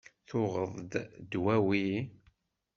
Tuɣeḍ-d dwawi?